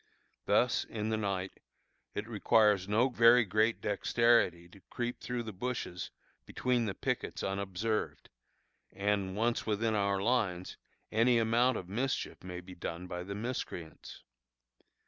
Thus, in the night, it requires no very great dexterity to creep through the bushes between the pickets unobserved, and, once within our lines, any amount of mischief may be done by the miscreants.